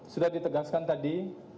sudah ditegaskan tadi